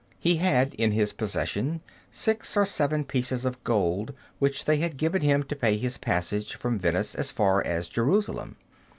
He had in his possession six or seven pieces of gold which they had given him to pay his passage from Venice as far as Jerusalem.